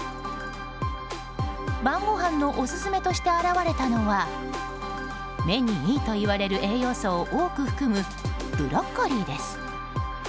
晩ごはんのオススメとして現れたのは目にいいといわれる栄養素を多く含むブロッコリーです。